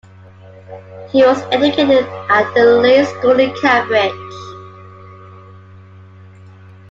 He was educated at The Leys School in Cambridge.